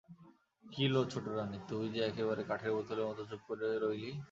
কী লো ছোটোরানী, তুই যে একেবারে কাঠের পুতুলের মতো চুপ করে রইলি?